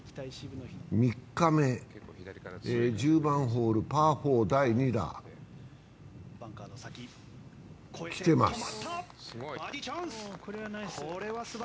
３日目、１０番ホール、パー４、第２打、来てます。